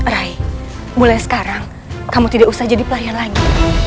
rai mulai sekarang kamu tidak usah jadi pelayan lagi